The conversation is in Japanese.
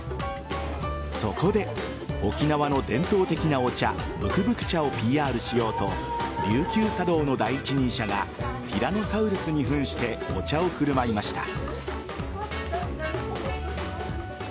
そこで沖縄の伝統的なお茶ぶくぶく茶をＰＲしようと琉球茶道の第一人者がティラノサウルスに扮してお茶を振る舞いました。